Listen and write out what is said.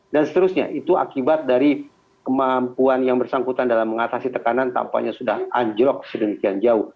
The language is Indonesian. dan seterusnya itu akibat dari kemampuan yang bersangkutan dalam mengatasi tekanan tampaknya sudah anjrok sedemikian jauh